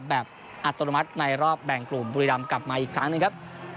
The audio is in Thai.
อัตโนมัติในรอบแบ่งกลุ่มบุรีรำกลับมาอีกครั้งหนึ่งครับ